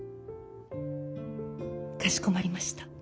かしこまりました。